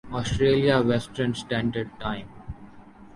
Australia western standard time